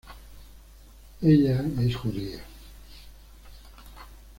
Ella es judía.